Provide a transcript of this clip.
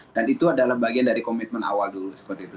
dan itu adalah bagian dari komitmen awal dulu